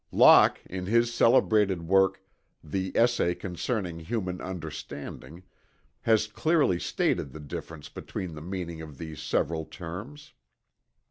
Locke in his celebrated work, the "Essay Concerning Human Understanding" has clearly stated the difference between the meaning of these several terms.